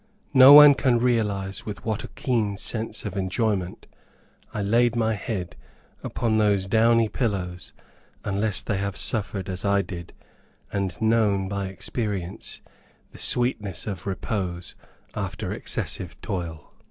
No one can realize with what a keen sense of enjoyment I laid my head upon those downy pillows, unless they have suffered as I did, and known by experience the sweetness of repose after excessive toil.